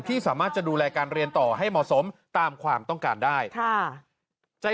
ที่สามารถจะดูแลการเรียนต่อให้เหมาะสมตามความต้องการได้